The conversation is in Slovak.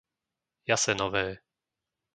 Jasenové